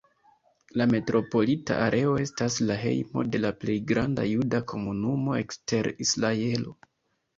La metropolita areo estas la hejmo de la plej granda juda komunumo ekster Israelo.